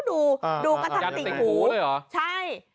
ดูกระทับติ่งหูใช่จะติ่งหูเลยเหรอ